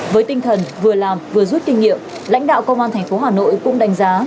với tinh thần vừa làm vừa rút kinh nghiệm lãnh đạo công an tp hà nội cũng đánh giá